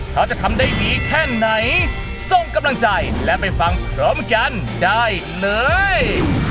เขาจะทำได้ดีแค่ไหนส่งกำลังใจและไปฟังพร้อมกันได้เลย